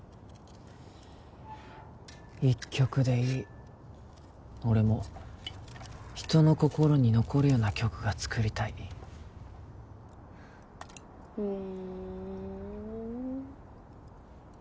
１曲でいい俺も人の心に残るような曲が作りたいふーん